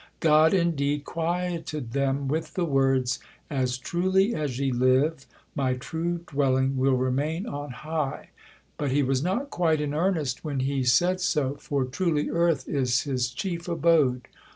God indeed quieted them with the words, "As truly as ye live, My true dwelling will remain on high," but He was not quite in earnest when He said so, for truly earth is His chief abode.